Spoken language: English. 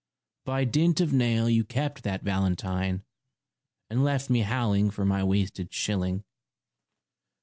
By dint of nail you kept that valentine, And left me howling for my wasted shilling.